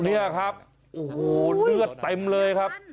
นี่ครับโอ้โหเลือดเต็มเลยครับ